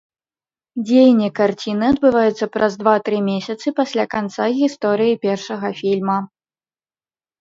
Дзеянне карціны адбываецца праз два-тры месяцы пасля канца гісторыі першага фільма.